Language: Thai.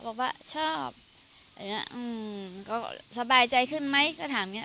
เขาบอกว่าชอบอย่างนี้ก็สบายใจขึ้นไหมก็ถามอย่างนี้